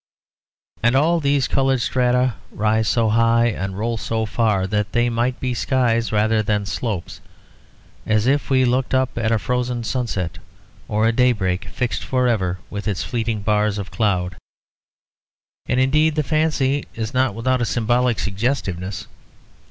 And all these coloured strata rise so high and roll so far that they might be skies rather than slopes. It is as if we looked up at a frozen sunset; or a daybreak fixed for ever with its fleeting bars of cloud. And indeed the fancy is not without a symbolic suggestiveness.